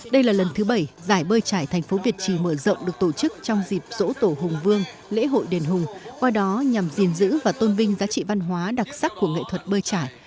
đây là lần thứ bảy giải bơi trải thành phố việt trì mở rộng được tổ chức trong dịp dỗ tổ hùng vương lễ hội đền hùng qua đó nhằm gìn giữ và tôn vinh giá trị văn hóa đặc sắc của nghệ thuật bơi trải